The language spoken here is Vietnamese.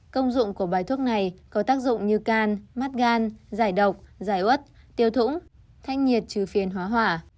công dụng của bài thuốc này có tác dụng như can mắt gan giải độc giải út tiêu thụ thanh nhiệt trừ phiền hóa hỏa